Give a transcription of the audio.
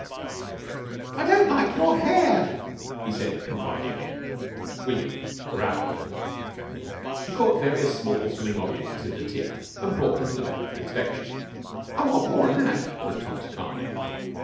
"I don't like your hair," he said confidingly. William growled. He caught various small swimming objects in the tin, and brought them to the bank for inspection. "I want more'n that," said Thomas calmly.